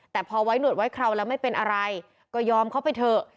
แต่พอไว้หนวดไว้คราวแล้วไม่เป็นอะไรก็ยอมเข้าไปเถอะ